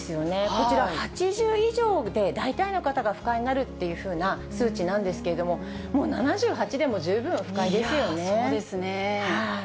こちら、８０以上で大体の方が不快になるっていうふうな数値なんですけれども、そうですね。